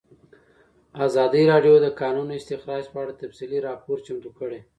ازادي راډیو د د کانونو استخراج په اړه تفصیلي راپور چمتو کړی.